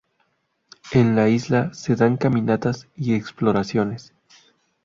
En la isla se dan caminatas y exploraciones.